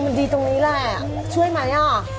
มันดีตรงนี้แหละช่วยไหมอ่ะ